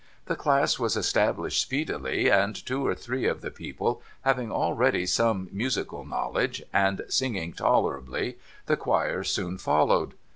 The class was established speedily, and, two or three of the people having already some musical knowledge, and singing tolerably, the Choir soon followed.